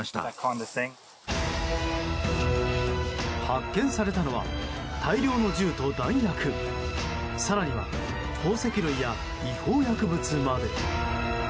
発見されたのは大量の銃と弾薬更には、宝石類や違法薬物まで。